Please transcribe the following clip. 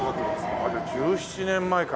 ああじゃあ１７年前から。